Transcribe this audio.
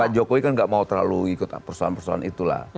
pak jokowi kan gak mau terlalu ikut persoalan persoalan itulah